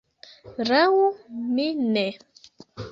Laŭ mi ne.